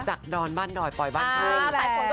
จากนอนบ้านดอยปลอยบ้านจด